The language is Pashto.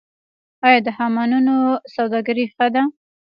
آیا د حمامونو سوداګري ښه ده؟